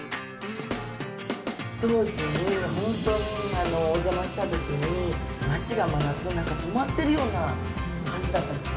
当時にお邪魔した時に街がまだ何か止まっているような感じだったんですよね。